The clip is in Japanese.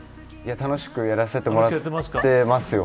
楽しくやらせてもらってますよ